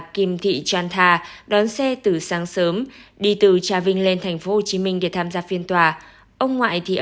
xin chào và hẹn gặp lại